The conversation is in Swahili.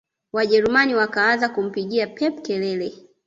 wajerumani wakaanza kumpigia pep kelele